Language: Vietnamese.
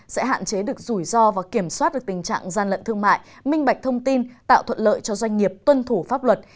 sẽ hạn chế được rủi ro và kiểm soát được tình trạng gian lận thương mại minh bạch thông tin tạo thuận lợi cho doanh nghiệp tuân thủ pháp luật